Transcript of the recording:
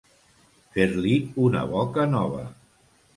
Fer-li una boca nova.